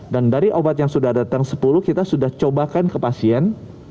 dan dari obat yang sudah datang sepuluh kita sudah cobakan ke pasien